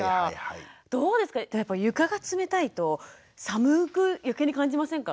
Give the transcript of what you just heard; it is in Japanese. どうですか床が冷たいと寒く余計に感じませんか？